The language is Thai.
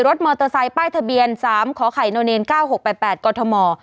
รถมอเตอร์ไซค์ป้ายทะเบียน๓ขอไข่น๙๖๘๘กรทม